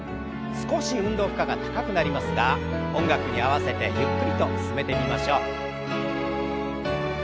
少し運動負荷が高くなりますが音楽に合わせてゆっくりと進めてみましょう。